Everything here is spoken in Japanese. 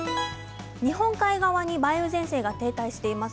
日本海側に梅雨前線が停滞しています。